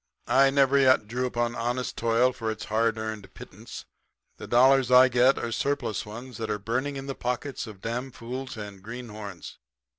'I never yet drew upon honest toil for its hard earned pittance. The dollars I get are surplus ones that are burning the pockets of damfools and greenhorns.